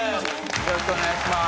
よろしくお願いします。